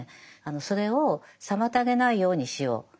それを妨げないようにしよう。